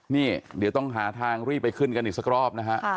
นี่เดี๋ยวต้องหาทางรีบไปขึ้นกันอีกสักรอบนะฮะ